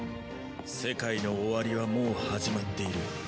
世界の終わりはもう始まっている。